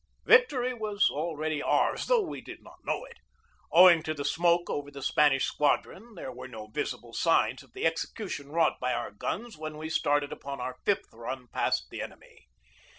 Victory was already ours, though we did not know it. Owing to the smoke over the Spanish squadron there were no visible signs of the execu tion wrought by our guns when we started upon our fifth run past the enemy.